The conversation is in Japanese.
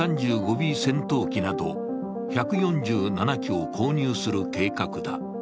Ｂ戦闘機など１４７機を購入する計画だ。